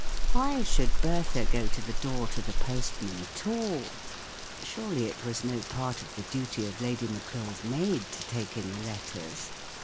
Why should Bertha go to the door to the postman at all ? Surely it w as no part of the duty of Lady Maclure's maid to take in the letters